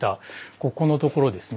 ここのところですね。